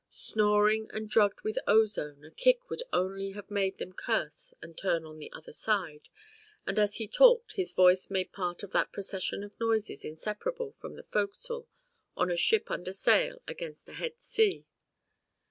Snoring and drugged with ozone a kick would only have made them curse and turn on the other side, and as he talked his voice made part of that procession of noises inseparable from the fo'c'sle of a ship under sail against a head sea.